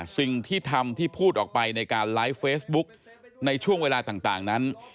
สิ่งที่ทำที่พูดออกไปในการไลฟ์เฟซบุ๊กในช่วงเวลาต่างนั้น